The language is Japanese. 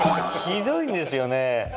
ひどいんですよね。